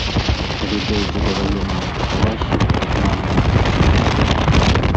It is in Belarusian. Калі дойдзе да ваеннай катавасіі, дык мала не здасца.